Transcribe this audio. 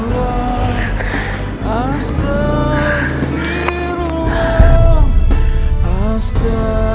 saya permisi bu